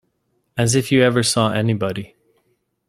As if you ever saw anybody!